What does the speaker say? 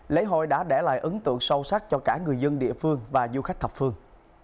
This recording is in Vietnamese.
lễ hội đã để lại ấn tượng sâu sắc cho cả người dân địa phương và du khách thập phương